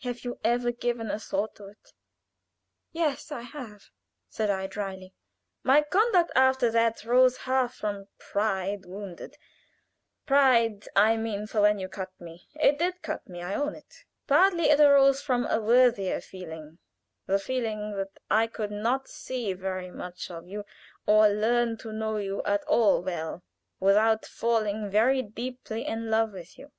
Have you ever given a thought to it?" "Yes, I have," said I, dryly. "My conduct after that rose half from pride wounded pride, I mean, for when you cut me, it did cut me I own it. Partly it arose from a worthier feeling the feeling that I could not see very much of you or learn to know you at all well without falling very deeply in love with you.